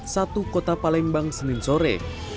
satu kota palembang senin sore